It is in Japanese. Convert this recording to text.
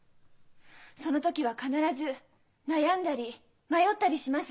その時は必ず悩んだり迷ったりします。